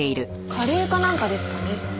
カレーかなんかですかね。